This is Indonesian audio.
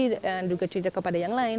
dan juga cerita kepada yang lain